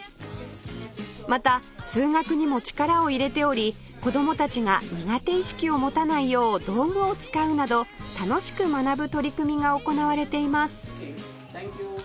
また数学にも力を入れており子どもたちが苦手意識を持たないよう道具を使うなど楽しく学ぶ取り組みが行われています